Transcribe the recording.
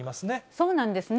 そうなんですね。